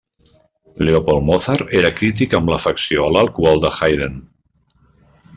Leopold Mozart era crític amb l'afecció a l'alcohol de Haydn.